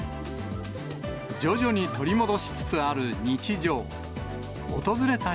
徐々に取り戻しつつある日常。